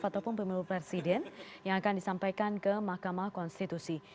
ataupun pemilu presiden yang akan disampaikan ke mahkamah konstitusi